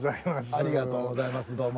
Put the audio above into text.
ありがとうございますどうも。